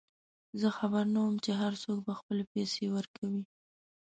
زه خبر نه وم چې هرڅوک به خپلې پیسې ورکوي.